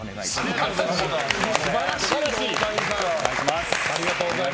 素晴らしい。